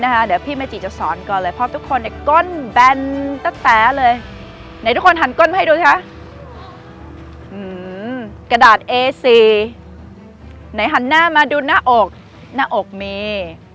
หันก้นมาให้ดูคะอืมกระดาษเอซีไหนหันหน้ามาดูหน้าอกหน้าอกมี